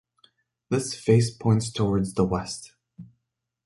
This face points towards the west.